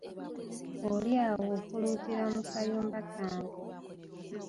Oli awo ofuluutira mu kayumba kange.